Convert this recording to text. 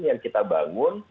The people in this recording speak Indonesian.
yang kita bangun